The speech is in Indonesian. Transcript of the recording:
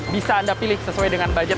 bisa anda pilih sesuai dengan budget